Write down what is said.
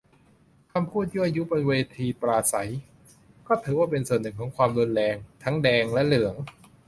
คำพูดยั่วยุบนเวทีปราศรัย ก็ถือเป็นส่วนหนึ่งของความรุนแรง ทั้งแดงและเหลือง